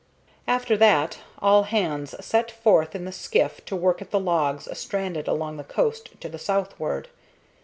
After that all hands set forth in the skiff to work at the logs stranded along the coast to the southward.